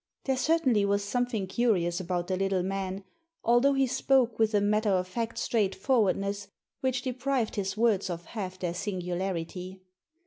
There certainly was something curious about the little man, although he spoke with a matter of fact straightforwardness which deprived his words of half their singularity.